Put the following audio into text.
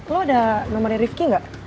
lo ada nomernya ripki nggak